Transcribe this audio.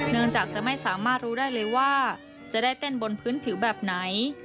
เนื่องจากจะไม่สามารถรู้ได้เลยว่าจะได้เต้นบนพื้นผิวแบบไหน